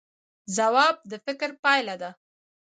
ځواب د فکر پایله ده